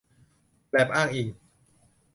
แล็บอ้างอิง